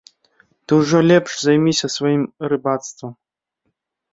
Ты ўжо лепш займіся сваім рыбацтвам.